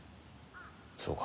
そうか。